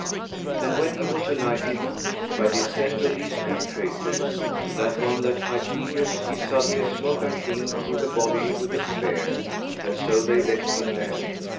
And when he was alighted, by the assent of these two traitors, that one that hight Helius he suddenly smote our king through the body with a spear, and so they left him there.